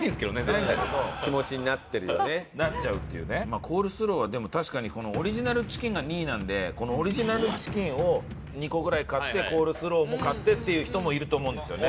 まあコールスローはでも確かにオリジナルチキンが２位なんでこのオリジナルチキンを２個ぐらい買ってコールスローも買ってっていう人もいると思うんですよね。